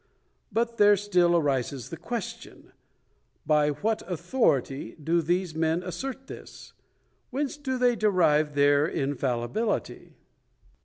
But there still arises the question — By what authority do these men assert this ? Whence do they derive their infallibility?